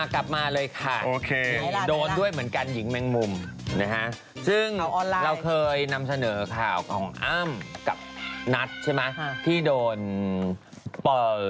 กลับมาเลยค่ะโอเคโดนด้วยเหมือนกันหญิงแมงมุมนะฮะซึ่งเราเคยนำเสนอข่าวของอ้ำกับนัทใช่ไหมที่โดนเปิด